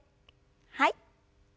はい。